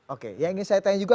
oke yang ingin saya tanya juga